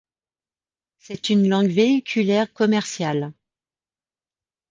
C'est une langue véhiculaire commerciale.